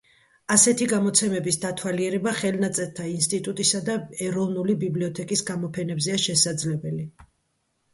ასეთი გამოცემების დათვალიერება ხელნაწერთა ინსტიტუტისა და ეროვნული ბიბლიოთეკის გამოფენებზეა შესაძლებელი.